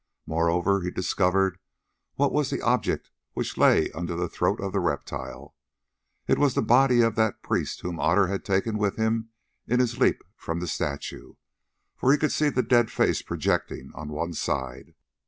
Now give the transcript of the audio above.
Moreover, he discovered what was the object which lay under the throat of the reptile. It was the body of that priest whom Otter had taken with him in his leap from the statue, for he could see the dead face projecting on one side.